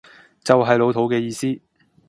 就係老土嘅意思